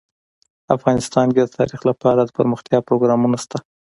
افغانستان کې د تاریخ لپاره دپرمختیا پروګرامونه شته.